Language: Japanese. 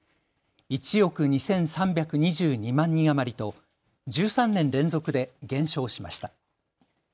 １億２３２２万人余りと１３年連続で減少しました。